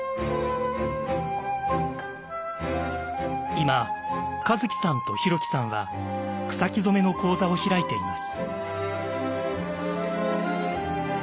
今和樹さんと広樹さんは草木染の講座を開いています。